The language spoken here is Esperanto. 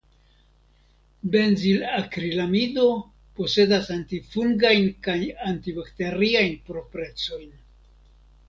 Benzilakrilamido posedas antifungajn kaj antibakteriajn proprecojn.